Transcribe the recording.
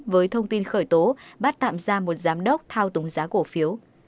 với thông tin khởi tố bắt tạm ra một giám đốc thao túng giá cổ phiếu